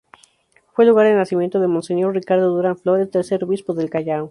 Fue lugar de nacimiento de monseñor Ricardo Durand Flórez, tercer obispo del Callao.